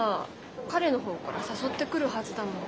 彼の方から誘ってくるはずだもん。